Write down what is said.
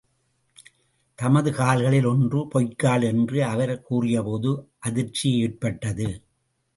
தமது கால்களில் ஒன்று பொய்க்கால், என்று அவர் கூறிய போது அதிர்ச்சி ஏற்பட்டது.